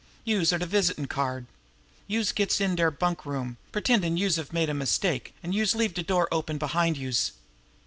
Youse are de visitin' card. Youse gets into deir bunk room, pretendin' youse have made a mistake, an' youse leaves de door open behind youse.